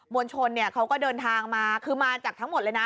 วลชนเนี่ยเขาก็เดินทางมาคือมาจากทั้งหมดเลยนะ